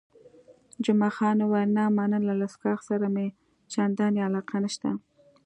جمعه خان وویل، نه مننه، له څښاک سره مې چندانې علاقه نشته.